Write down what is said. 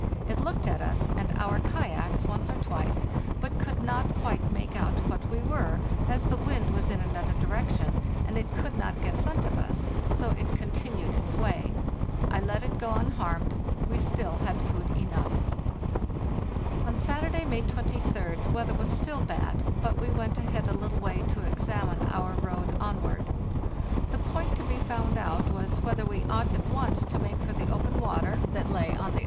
It looked at us and our kayaks once or twice, but could not quite make out what we were, as the wind was in another direction and it could not get scent of us, so it continued its way. I let it go unharmed; we still had food enough. On Saturday, May 23d, the weather was still bad, but we went ahead a little way to examine our road onward. The point to be found out was whether we ought at once to make for the open water, that lay on the other SOUTHWARD.